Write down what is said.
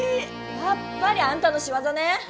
やっぱりあんたのしわざね！